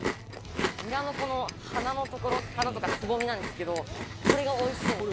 ニラのこの花のところ花とかつぼみなんですけどこれがおいしいんです。